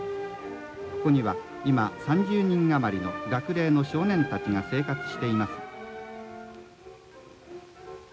ここには今３０人余りの学齢の少年たちが生活しています」。